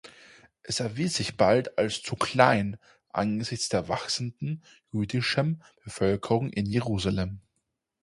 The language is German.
Es erwies sich bald als zu klein angesichts der wachsenden jüdischem Bevölkerung in Jerusalem.